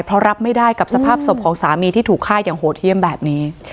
เพราะรับไม่ได้กับสภาพศพของสามีที่ถูกฆ่าอย่างโหดเยี่ยมแบบนี้